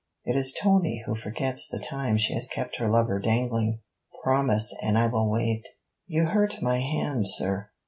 'It is Tony who forgets the time she has kept her lover dangling. Promise, and I will wait.' 'You hurt my hand, sir.'